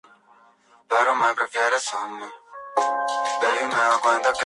El club viste de color negro y amarillo.